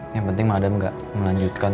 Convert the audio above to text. yang penting madam nggak melanjutkan